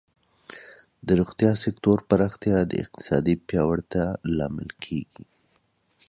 د روغتیا سکتور پراختیا د اقتصادی پیاوړتیا لامل کیږي.